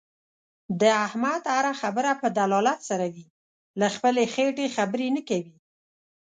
د احمد هر خبره په دلالت سره وي. له خپلې خېټې خبرې نه کوي.